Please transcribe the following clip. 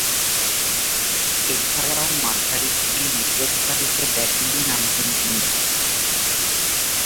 এছাড়াও, মাঝারি থেকে নিচেরসারিতে ব্যাটিংয়ে নামতেন তিনি।